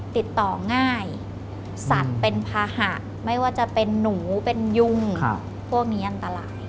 ติดต่อง่ายสัตว์เป็นภาหะไม่ว่าจะเป็นหนูเป็นยุงพวกนี้อันตราย